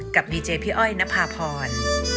กับดีเจพี่อ้อยณพาภร